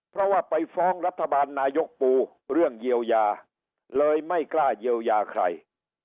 เพราะว่าไปฟ้องรัฐบาลนายกปูเรื่องเยียวยาเลยไม่กล้าเยียวยาใคร